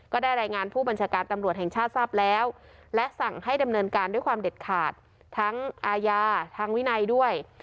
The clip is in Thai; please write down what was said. ก็ได้รายงานผู้บัญชาการตำรวจแห่งชาติทราบแล้วและสั่งให้ดำเนินการด้วยความเด็ดขาดทั้งอาญาทางวินัยด้วย